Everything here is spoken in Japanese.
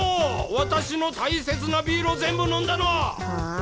私の大切なビールを全部飲んだのははあ？